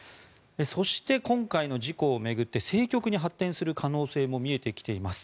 そして、今回の事故を巡って政局に発展する可能性も見えてきています。